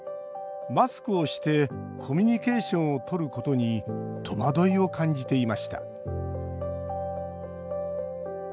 マスクをしてコミュニケーションをとることに戸惑いを感じていました。